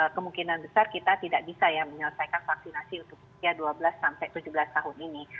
kemungkinan besar kita tidak bisa ya menyelesaikan vaksinasi untuk usia dua belas sampai tujuh belas tahun ini